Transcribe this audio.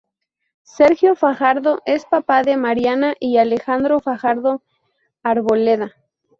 Sergio Fajardo es papá de Mariana y Alejandro Fajardo Arboleda.